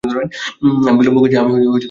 আমি বিলম্ব করছি?